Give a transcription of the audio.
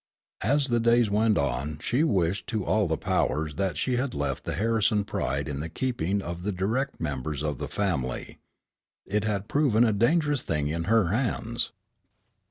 As the days went on she wished to all the powers that she had left the Harrison pride in the keeping of the direct members of the family. It had proven a dangerous thing in her hands.